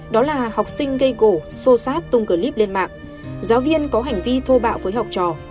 đó là học sinh gây gỗ xô xát tung clip lên mạng giáo viên có hành vi thô bạo với học trò